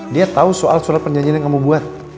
dia tahu soal surat perjanjian yang kamu buat